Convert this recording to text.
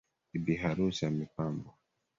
Bibi harusi amepambwa.